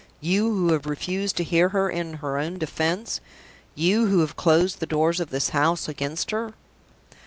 "You who have refused to hear her in her own defense! You who have closed the doors of this house against her!"